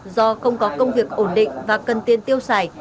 do không có công việc ổn định và cần tiền tiêu xài